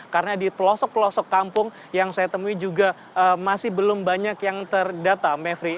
karena di pelosok pelosok kampung yang saya temui juga masih belum banyak yang terdata mavri